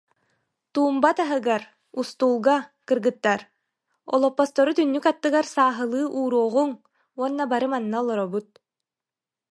Туумба таһыгар, устуулга, кыргыттар, олоппостору түннүк аттыгар сааһылыы ууруоҕуҥ уонна бары манна олоробут